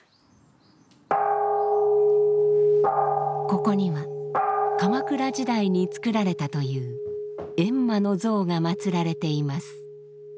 ここには鎌倉時代につくられたという閻魔の像が祀られています。